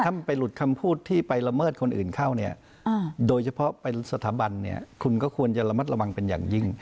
ถ้าไปหลุดคำพูดที่ไปละเมิดคนอื่นเข้าเนี่ยโดยเฉพาะเป็นสถาบันเนี่ยคุณก็ควรจะระมัดระวังเป็นอย่างยิ่ง